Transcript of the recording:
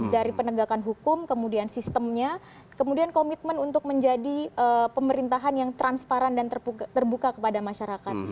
dari penegakan hukum kemudian sistemnya kemudian komitmen untuk menjadi pemerintahan yang transparan dan terbuka kepada masyarakat